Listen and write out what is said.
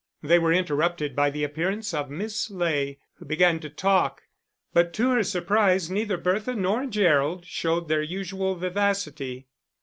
They were interrupted by the appearance of Miss Ley, who began to talk; but to her surprise neither Bertha nor Gerald showed their usual vivacity.